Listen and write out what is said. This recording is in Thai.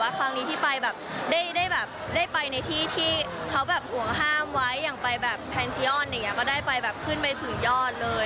แต่ว่าการที่ไปแบบได้หว่างห้ามให้อย่างไปแบบแล้วก็ได้ไปถึงยอดเลย